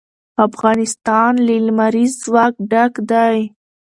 افغانستان له لمریز ځواک ډک دی.